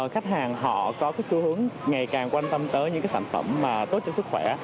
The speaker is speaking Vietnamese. khách hàng họ có xu hướng ngày càng quan tâm tới những sản phẩm tốt cho sức khỏe